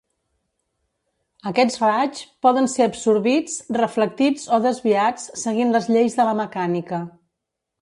Aquests raigs poden ser absorbits, reflectits o desviats seguint les lleis de la mecànica.